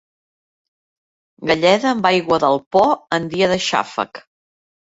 Galleda amb aigua del Po en dia de xàfec.